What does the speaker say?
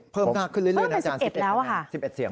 เพิ่มข้างขึ้นเรื่อยอาจารย์สิบเอ็ดแล้วค่ะ